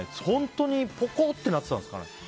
本当にぽこってなってたんですかね。